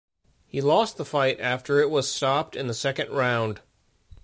He lost the fight after it was stopped in the second round.